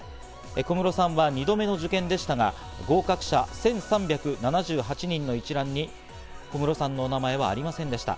小室さんは２度目の受験でしたが、合格者１３７８人の一覧に小室さんの名前がありませんでした。